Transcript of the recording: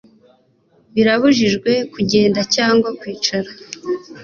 birabujijwe kugenda cyangwa kwicara